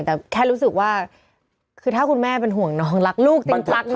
แต่แค่รู้สึกว่าคือถ้าคุณแม่เป็นห่วงน้องรักลูกจริงรัก